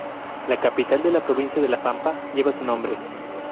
La capital de la Provincia de La Pampa lleva su nombre.